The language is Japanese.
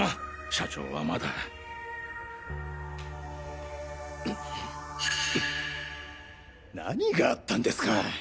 社長はまだ。何があったんですか？